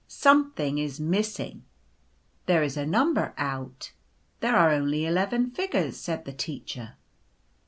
" Something is missing." " There • is a number out ; there are only eleven figures," said the Teacher.